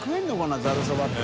福ざるそばって。